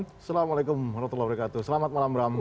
assalamualaikum wr wb selamat malam bramu